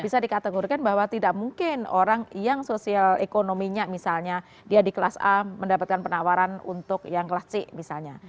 bisa dikategorikan bahwa tidak mungkin orang yang sosial ekonominya misalnya dia di kelas a mendapatkan penawaran untuk yang kelas c misalnya